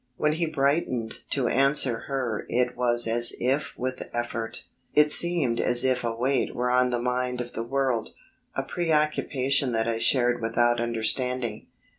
When he brightened to answer her it was as if with effort. It seemed as if a weight were on the mind of the whole world a preoccupation that I shared without understanding.